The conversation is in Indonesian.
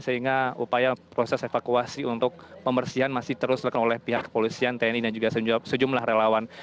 sehingga upaya proses evakuasi untuk pembersihan masih terus dilakukan oleh pihak kepolisian tni dan juga sejumlah relawan